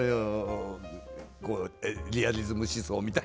こうリアリズム思想みたいな。